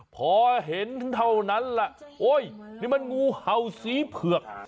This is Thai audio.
พอเห็นเท่านั้นแหละโอ๊ยนี่มันงูเห่าสีเผือก